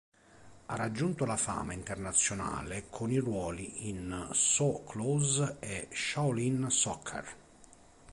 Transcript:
Ha raggiunto la fama internazionale con i ruoli in "So Close" e "Shaolin Soccer".